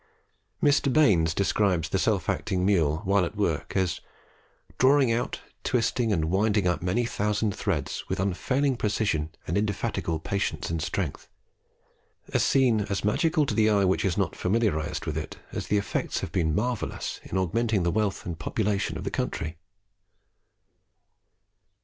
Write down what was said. Mr. Baines describes the self acting mule while at work as "drawing out, twisting, and winding up many thousand threads, with unfailing precision and indefatigable patience and strength a scene as magical to the eye which is not familiarized with it, as the effects have been marvellous in augmenting the wealth and population of the country."